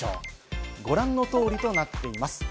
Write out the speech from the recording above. ご覧の通りとなっています。